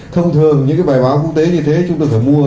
thông thường những cái bài báo quốc tế như thế chúng tôi phải mua